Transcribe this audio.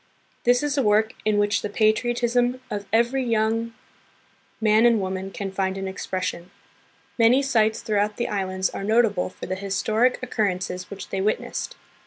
This is a work in which the patriotism of every young 24 THE PHILIPPINES. man and woman can find an expression. Many sites throughout the islands are notable for the historic occur rences which they witnessed.